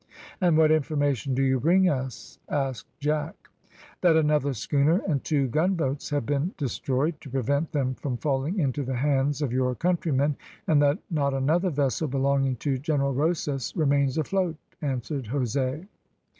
"And what information do you bring us?" asked Jack. "That another schooner and two gunboats have been destroyed, to prevent them from falling into the hands of your countrymen, and that not another vessel belonging to General Rosas remains afloat," answered Jose.